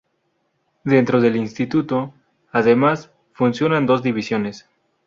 Dentro del Instituto, además, funcionan dos "Divisiones".